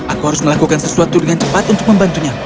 aku harus melakukan sesuatu dengan cepat untuk membantunya